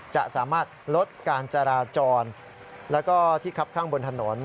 จะสามารถลดการจราจรที่ขับข้างบนถนน